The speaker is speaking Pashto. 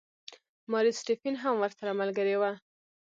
ماري سټیفن هم ورسره ملګرې وه.